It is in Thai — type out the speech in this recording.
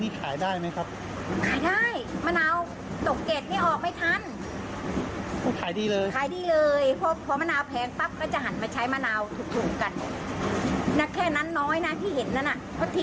เมืองถ้ามะนาวธงิดพูดออกตอนนี้ราคาถูกว่าตกเกร็ดขายไม่ได้